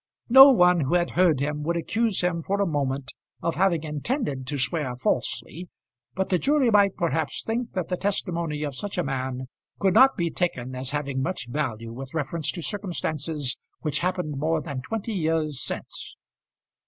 No one who had heard him would accuse him for a moment of having intended to swear falsely, but the jury might perhaps think that the testimony of such a man could not be taken as having much value with reference to circumstances which happened more than twenty years since.